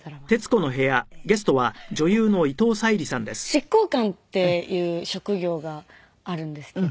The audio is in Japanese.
執行官っていう職業があるんですけど。